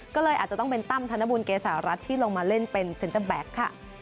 ก็เลยอาจจะต้องเป็นตั้มธนบุญเกษารัฐที่ลงมาเล่นเป็นเซ็นเตอร์แบ็คค่ะ